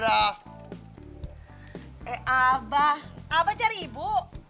abah abah cari ibu